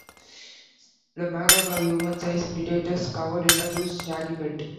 The Magog are human-sized predators covered in a loose, shaggy pelt.